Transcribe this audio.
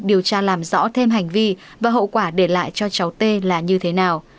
điều tra làm rõ thêm hành vi và hậu quả để lại cho cháu tê là như thế nào